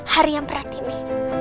hari yang berat ini